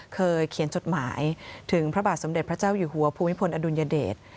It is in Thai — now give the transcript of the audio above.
เคยเขียนจดหมายถึงพระบาทสมเด็จพระเจ้าอยู่หัวภูมิพลอดุลยเดช